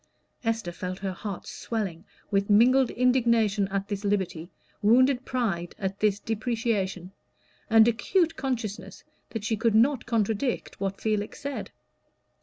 Esther felt her heart swelling with mingled indignation at this liberty, wounded pride at this depreciation, and acute consciousness that she could not contradict what Felix said.